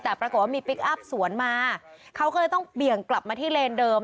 แต่ปรากฏว่ามีพลิกอัพสวนมาเขาก็เลยต้องเบี่ยงกลับมาที่เลนเดิม